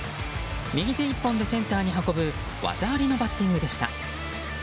右手１本でセンターに運ぶ技ありのバッティングでした。